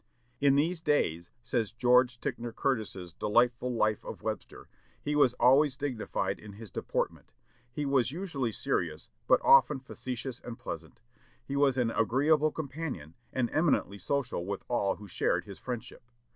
"In these days," says George Ticknor Curtis' delightful life of Webster, "he was always dignified in his deportment. He was usually serious, but often facetious and pleasant. He was an agreeable companion, and eminently social with all who shared his friendship.